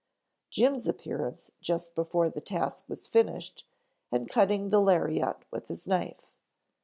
Jim's appearance just before the task was finished and cutting the lariat with his knife.